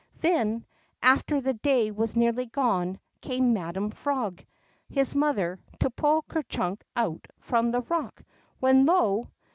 Then, after the day was nearly gone, came Madam Frog, his mother, to pull Ker Chunk out from the rock, when, lo